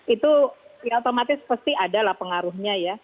itu ya otomatis pasti adalah pengaruhnya ya